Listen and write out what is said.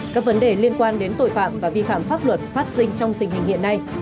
các vấn đề liên quan đến tội phạm và vi phạm pháp luật phát sinh trong tình hình hiện nay